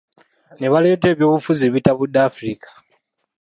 Ne baleeta ebyobufuzi ebitabudde Afirika.